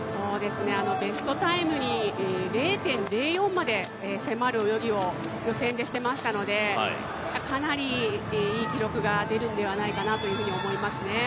ベストタイムに０．０４まで迫る泳ぎを予選でしてましたので、かなりいい記録が出るのではないかなと思いますね。